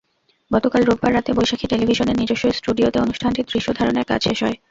গতকাল রোববার রাতে বৈশাখী টেলিভিশনের নিজস্ব স্টুডিওতে অনুষ্ঠানটির দৃশ্যধারণের কাজ শেষ হয়।